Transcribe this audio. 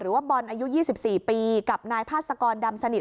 ว่าบอลอายุ๒๔ปีกับนายพาสกรดำสนิท